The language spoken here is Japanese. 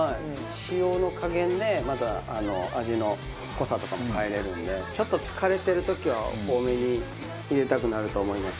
塩の加減で味の濃さとかも変えられるんでちょっと疲れてる時は多めに入れたくなると思いますけれども。